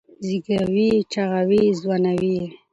زېږوي یې چاغوي یې ځوانوي یې